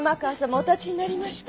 おたちになりました。